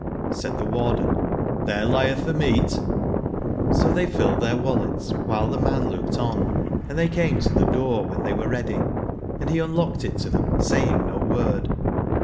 '' J? Said tbe CKarden : ''Xlbere lietb tbe meat^'j^So tbeyfilled tbeirwallets, wbile tbe man looked on ; and tbey came to tbe door wben tbey were ready, and be unlocked it to tbem, saying no word.